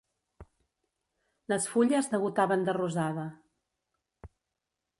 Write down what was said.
Les fulles degotaven de rosada.